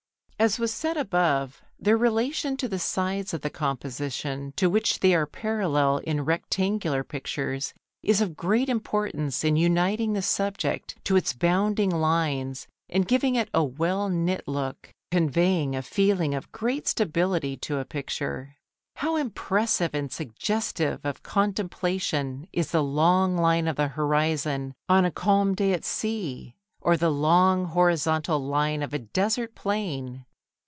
As was said above, their relation to the sides of the composition to which they are parallel in rectangular pictures is of great importance in uniting the subject to its bounding lines and giving it a well knit look, conveying a feeling of great stability to a picture. How impressive and suggestive of contemplation is the long line of the horizon on a calm day at sea, or the long, horizontal line of a desert plain!